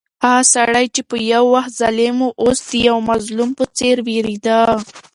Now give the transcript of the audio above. هغه سړی چې یو وخت ظالم و، اوس د یو مظلوم په څېر وېرېده.